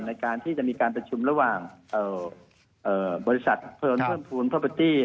ในการที่จะมีการประชุมระหว่างบริษัทเพิ่มภูมิเทอร์เบอร์ตี้